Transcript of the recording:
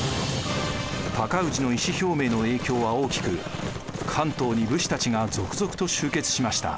高氏の意思表明の影響は大きく関東に武士たちが続々と集結しました。